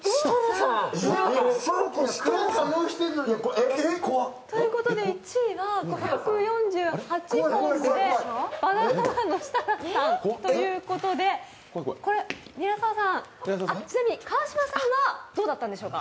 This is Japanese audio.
えっということで１位は５４８本でバナナマンの設楽さんということでこれ、ちなみに川島さんはどうだったんでしょうか？